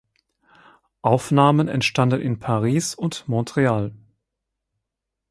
Aufnahmen entstanden in Paris und Montreal.